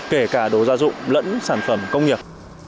kể cả đồ gia dụng lẫn sản phẩm công nghiệp